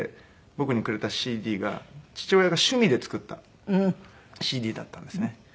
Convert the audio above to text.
僕にくれたＣＤが父親が趣味で作ったＣＤだったんですね。